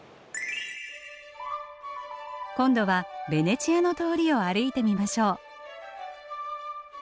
今度はベネチアの通りを歩いてみましょう。